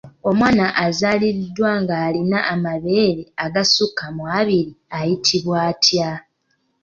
Omwana azaalibwa ng'alina amabeere agasukka mu abiri ayitibwa atya?